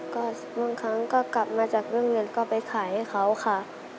ก็บางครั้งก็กลับมาจากเรื่องเงินก็ไปขายให้เขาค่ะ